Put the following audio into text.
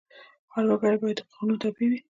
هر وګړی باید د قانون تابع وي.